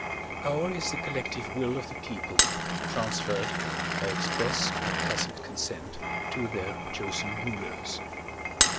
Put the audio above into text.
Power is the collective will of the people transferred, by expressed or tacit consent, to their chosen rulers.